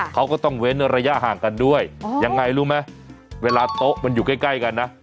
เขาก็ต้องเว้นระยะห่างกันด้วยยังไงรู้ไหมเวลาโต๊ะมันอยู่ใกล้กันนะ